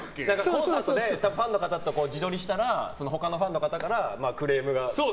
コンサートでファンの方と自撮りしたら他のファンの方からクレームが。